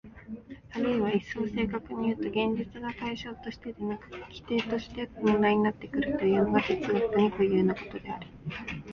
あるいは一層正確にいうと、現実が対象としてでなく基底として問題になってくるというのが哲学に固有なことである。